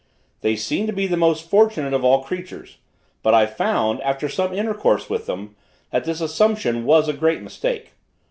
They seem to be the most fortunate of all creatures; but I found, after some intercourse with them, that this assumption was a great mistake.